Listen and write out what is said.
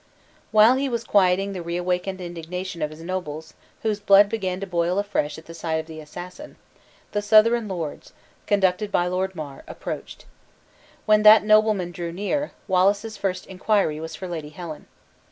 While he was quieting the reawakened indignation of his nobles, whose blood began to boil afresh at sight of the assassin, the Southron lords, conducted by Lord Mar, approached. When that nobleman drew near, Wallace's first inquiry was for Lady Helen.